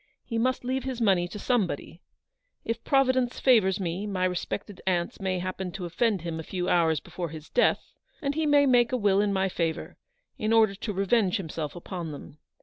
He must leave his money to somebody. If Provi dence favours me my respected aunts may happen the lawyer's srsncioN. 303 to offend him a few hours before his death, and he may make a will in my favour, in order to revenge himself upon them.